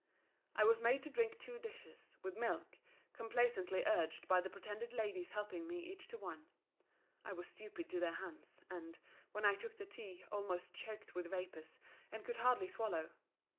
I was made to drink two dishes, with milk, complaisantly urged by the pretended ladies helping me each to one. I was stupid to their hands; and, when I took the tea, almost choked with vapours; and could hardly swallow.